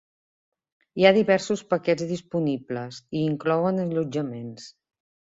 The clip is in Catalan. Hi ha diversos paquets disponibles i inclouen allotjament.